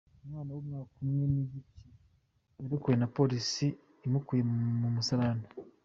Umwana w’umwaka umwe n’igice yarokowe na Polisi imukuye mu musarane